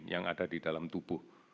yang ada di dalam tubuh